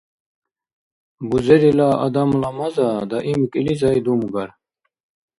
Бузерила адамла маза даим кӀилизай думгар.